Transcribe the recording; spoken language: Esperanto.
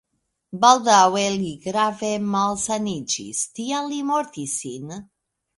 Baldaŭe li grave malsaniĝis, tial li mortis sin.